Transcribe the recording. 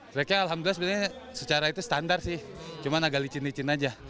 tracknya alhamdulillah sebenarnya secara itu standar sih cuma agak licin licin aja